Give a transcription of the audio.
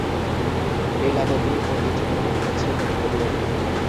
লীলাবতী ও বীজগণিত হচ্ছে গণিতের বই।